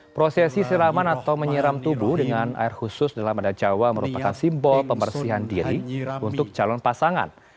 prosesi siraman atau menyiram tubuh dengan air khusus dalam adat jawa merupakan simbol pembersihan diri untuk calon pasangan